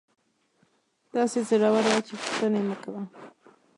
داسې زړوره وه چې پوښتنه یې مکوه.